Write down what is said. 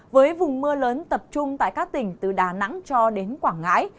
với vùng mưa lớn tập trung tại các tỉnh từ đà nẵng cho đến quảng ngãi